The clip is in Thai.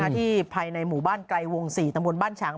ที่ภายในหมู่บ้านไกลวง๔ตำบลบ้านฉาง